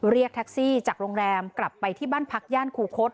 เรียกแท็กซี่จากโรงแรมกลับไปที่บ้านพักย่านคูคศ